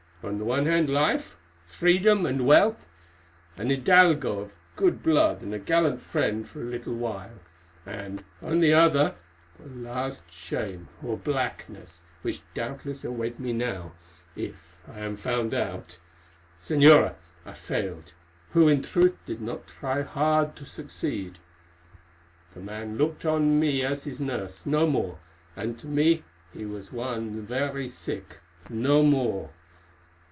On the one hand, life, freedom, and wealth, an hidalgo of good blood and a gallant friend for a little while, and, on the other, the last shame or blackness which doubtless await me now—if I am found out. Señora, I failed, who in truth did not try hard to succeed. The man looked on me as his nurse, no more, and to me he was one very sick, no more.